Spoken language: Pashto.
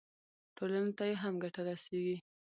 ټولنې ته یې هم ګټه رسېږي.